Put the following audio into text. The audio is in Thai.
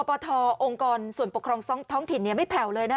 ปทองค์กรส่วนปกครองท้องถิ่นไม่แผ่วเลยนะ